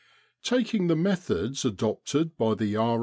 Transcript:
Taking the methods adopted by the R.